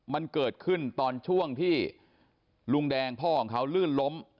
มันเกิดขึ้นตอนช่วงที่ลุงแดงพ่อของเขาลื่นล้ม